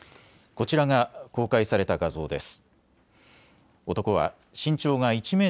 こちらが公開された画像です。